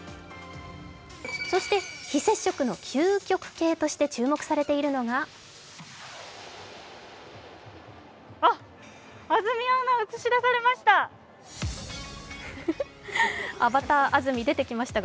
そして非接触の究極系として注目されているのがあっ、安住アナ映し出されました。